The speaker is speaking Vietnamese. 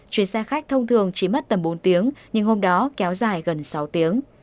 chuyến xe khách thông thường chỉ mất tầm bốn tiếng nhưng hôm đó kéo dài gần sáu tiếng